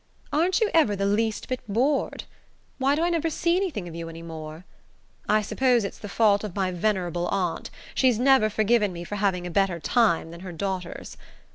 Aren't you ever the least bit bored? Why do I never see anything of you any more? I suppose it's the fault of my venerable aunt she's never forgiven me for having a better time than her daughters.